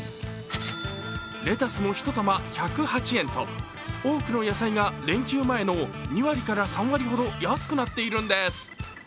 レタスも１玉１０８円と多くの野菜が連休前の２割から３割ほど安くなっているんです。